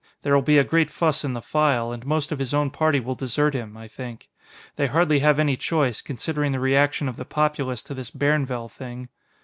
There'll be a great fuss in the File, and most of his own party will desert him I think. They hardly have any choice, considering the reaction of the populace to this Bairnvell thing."